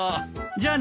じゃあね。